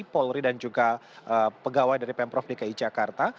polri dan juga pegawai dari pemprov dki jakarta